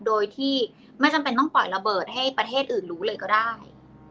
โดยที่ไม่จำเป็นต้องปล่อยระเบิดให้ประเทศอื่นรู้เลยก็ได้